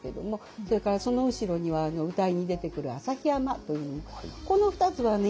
それからその後ろには謡に出てくる朝日山というこの２つはね